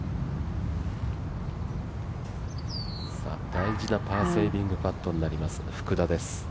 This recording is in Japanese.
大事なパーセービングパットになります、福田です。